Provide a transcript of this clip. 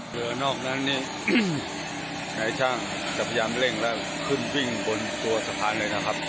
เหลือนอกนั้นนี่นายช่างจะพยายามเร่งแล้วขึ้นวิ่งบนตัวสะพานเลยนะครับ